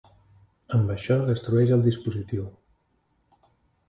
Amb això, destrueix el dispositiu.